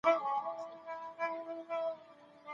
اقتصادي پرمختيا د مهمې پروسې په توګه پېژندل کېږي.